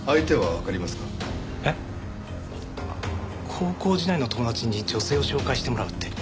高校時代の友達に女性を紹介してもらうって。